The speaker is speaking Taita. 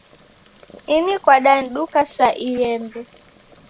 Ini kwadaniduka sa iembe